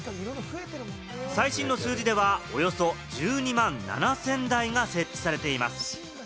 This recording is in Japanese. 最新の数字では、およそ１２万７０００台が設置されています。